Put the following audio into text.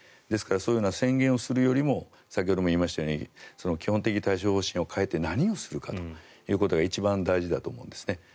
ですからそういう宣言をするよりも先ほど言いましたように基本的対処方針を変えて何をするかというのが一番大事だと思うんですね。